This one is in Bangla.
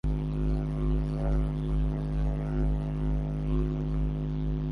দুঃখিত বলতে যাব, এমন সময় চোখে পড়ল আহমেদ ইমতিয়াজ বুলবুলের একটি আলোকচিত্র।